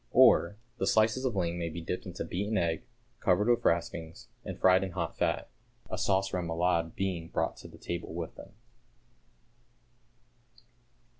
Or, the slices of ling may be dipped into beaten egg, covered with raspings, and fried in hot fat, a sauce rémoulade being brought to table with them.